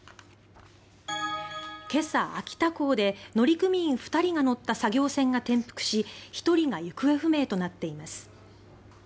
今朝、秋田港で乗組員２人が乗った作業船が転覆し１人が行方不明となっています。